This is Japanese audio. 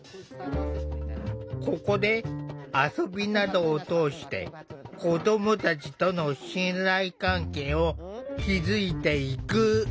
ここで遊びなどを通して子どもたちとの信頼関係を築いていく。